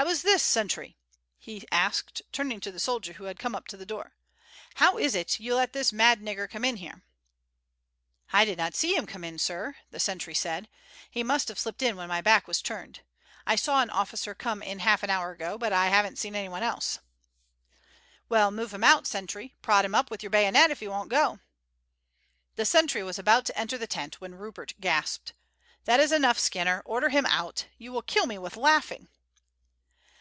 How is this, sentry?" he asked, turning to the soldier, who had come up to the door. "How is it you let this mad nigger come in here?" "I did not see him come in, sir," the sentry said; "he must have slipped in when my back was turned. I saw an officer come in half an hour ago, but I haven't seen anyone else." "Well, move him out, sentry; prod him up with your bayonet if he won't go." The sentry was about to enter the tent when Rupert gasped, "That is enough, Skinner; order him out. You will kill me with laughing."